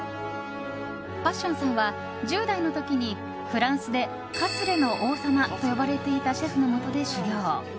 パッションさんは、１０代の時にフランスでカスレの王様と呼ばれていたシェフのもとで修業。